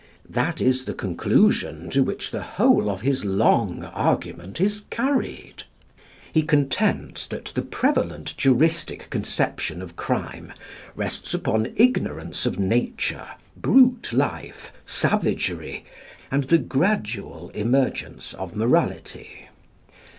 That is the conclusion to which the whole of his long argument is carried. He contends that the prevalent juristic conception of crime rests upon ignorance of nature, brute life, savagery, and the gradual emergence of morality.